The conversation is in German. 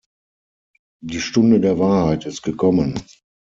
Die Stunde der Wahrheit ist gekommen.